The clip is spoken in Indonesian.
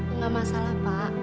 enggak masalah pak